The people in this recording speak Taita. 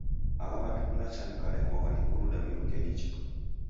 Agha matuku nacha nikalemwagha ni kuruda miruke nicha.